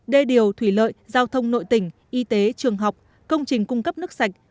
đê điều thủy lợi giao thông nội tỉnh y tế trường học công trình cung cấp nước sạch